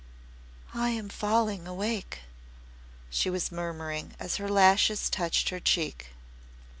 "I am falling awake," she was murmuring as her lashes touched her cheek.